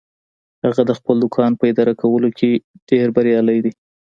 هغه د خپل دوکان په اداره کولو کې ډیر بریالی ده